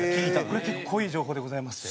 これ結構いい情報でございまして。